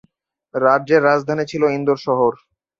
রাজ্যের রাজধানী ছিল ইন্দোর শহর।